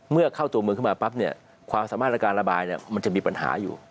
เมื่อเข้าตัวเมืองขึ้นมาปั๊บเนี่ยความสามารถในการระบายมันจะมีปัญหาอยู่